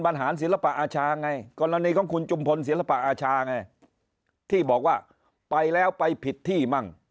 บรรหารศิลปะอาชาไงกรณีของคุณจุมพลศิลปะอาชาไงที่บอกว่าไปแล้วไปผิดที่มั่ง